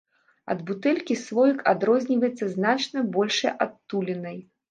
Ад бутэлькі слоік адрозніваецца значна большай адтулінай.